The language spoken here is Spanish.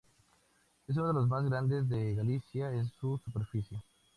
Es uno de los más grandes de Galicia en superficie.